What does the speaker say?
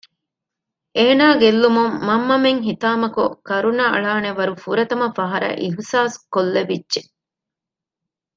އޭނާ ގެއްލުމުން މަންމަމެން ހިތާމަކޮށް ކަރުނައަޅާނެ ވަރު ފުރަތަމަ ފަހަރަށް އިހްސާސްކޮށްލެވިއްޖެ